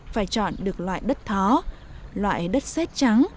phải chọn được loại đất thó loại đất xét trắng